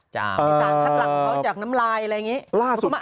จากน้ำไรไหม